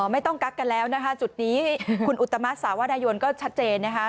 ไม่ต้องกักกันแล้วนะคะจุดนี้คุณอุตมะสาวนายนก็ชัดเจนนะคะ